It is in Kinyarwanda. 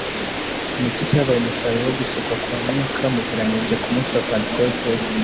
Ni iki cyabaye umusaruro wo gusukwa kwa Mwuka Muziranenge ku munsi wa Pentekote?